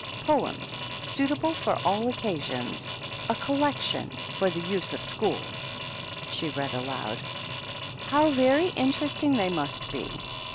"* Poems suitable for all Occasions. A Collection for the Use of SchoolSy " she read aloud. "How very interesting they must be